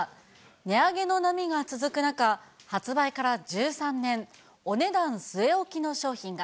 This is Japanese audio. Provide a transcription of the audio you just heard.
値上げの波が続く中、発売から１３年、お値段据え置きの商品が。